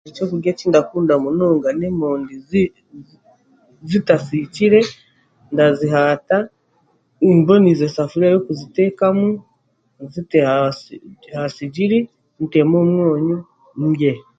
Eky'okurya ekindakunda munonga n'emoondi zitasikire, ndazihaata mbonize esafuriya y'okuzitekamu nzite aha sigiri ntemu omwonyo ndye.